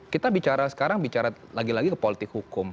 kita bicara sekarang bicara lagi lagi ke politik hukum